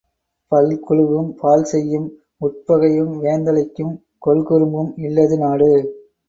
பல்குழுவும் பாழ்செய்யும் உட்பகையும் வேந்தலைக்கும் கொல்குறும்பும் இல்லது நாடு.